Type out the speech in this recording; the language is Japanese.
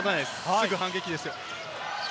すぐ反撃ですよ。